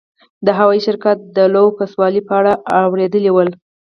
د هوايي شرکت د لوکسوالي په اړه اورېدلي ول.